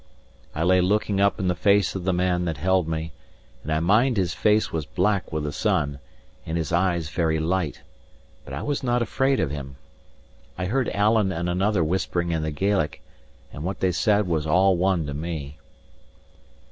I lay looking up in the face of the man that held me; and I mind his face was black with the sun, and his eyes very light, but I was not afraid of him. I heard Alan and another whispering in the Gaelic; and what they said was all one to me.